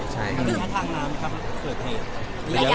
คือทางน้ำครับเคยเห็น